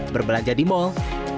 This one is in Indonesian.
berbelanja di mal